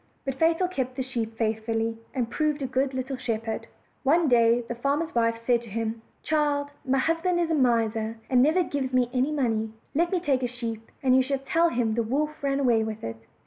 But Fatal kept the sheep faithfully, and proved a good little shepherd. One day the farmer's wife said to him: "Child, my husband is a miser, and never gives me any money; let me take a sheep, and you shall tell him the wolf ran away with it."